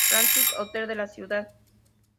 Francis Hotel de la ciudad.